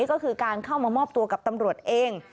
ก็คือการเข้ามามอบตัวกับตำรวจเอง